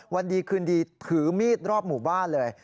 วันดีคืนดีถือมีดรอบหมู่บ้านเลย